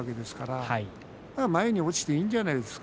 前に落ちてもいいんじゃないでしょうか。